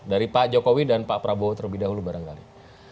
dari pak jokowi dan pak prabowo terlebih dahulu barangkali